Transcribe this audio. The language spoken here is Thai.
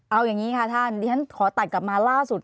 เอาอย่างนี้ค่ะท่านดิฉันขอตัดกลับมาล่าสุด